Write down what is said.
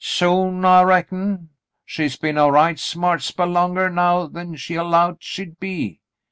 "Soon, I reckon. She's been a right smart spell longah now 'n she 'lowed she'd be.